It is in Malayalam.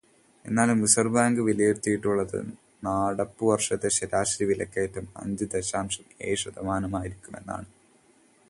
എന്നാലും റിസർവ്വ് ബാങ്ക് വിലയിരുത്തിയിട്ടുള്ളത് നടപ്പുവർഷത്തെ ശരാശരി വിലക്കയറ്റം അഞ്ച് ദശാംശം ഏഴ് ശതമാനമായിരിക്കുമെന്നാണ്.